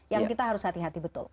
yang kita harus hati hati betul